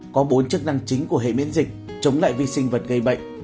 có bốn chức năng chính của hệ miễn dịch chống lại vi sinh vật gây bệnh